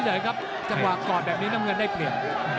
จากว่ากอดแบบนี้น้ำเงินได้เปลี่ยน